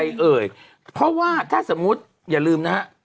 เพราะว่าถ้าสมมติอย่าลืมนะ